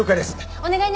お願いね！